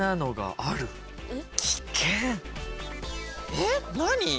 えっ？何？